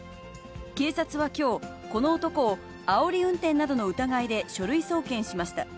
警察はきょう、この男を、あおり運転などの疑いで書類送検しました。